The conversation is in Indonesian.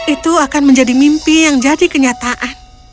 itu akan menjadi mimpi yang jadi kenyataan